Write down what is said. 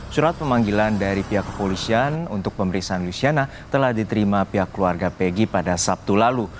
surat pemanggilan dari pihak kepolisian untuk pemeriksaan luciana telah diterima pihak keluarga pegi pada sabtu lalu